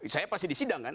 saya pasti disidang kan